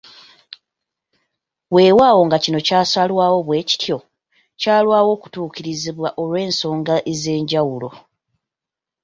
Weewaawo nga kino kyasalwawo bwe kityo, kyalwawo okutuukirizibwa olw’ensonga ez’enjawulo.